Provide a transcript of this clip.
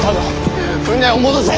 舟を戻せ。